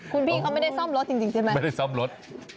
คุณพี่เขาไม่ได้ซ่อมรถจริงใช่ไหมไม่ได้ซ่อมรถ